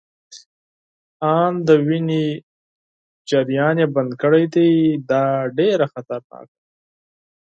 آن د وینې جریان يې بند کړی دی، دا ډیره خطرناکه ده.